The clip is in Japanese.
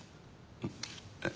えっ？